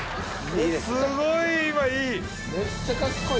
すごい今いい！